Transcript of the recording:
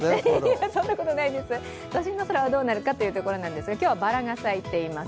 都心の空はどうなるかというところなんですが、今日はバラが咲いています。